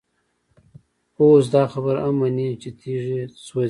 اوس دا خبره هم مني چي تيږي سوزي،